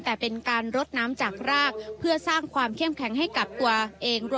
แต่เป็นการรดน้ำจากรากเพื่อสร้างความเข้มแข็งให้กับตัวเอง